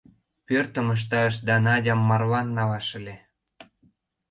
Пӧртым ышташ да Надям марлан налаш ыле.